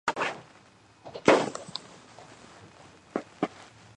დაამთავრა სან-კარლოსის უნივერსიტეტი, აქვს კომუნიკაციის მეცნიერებების ხარისხი.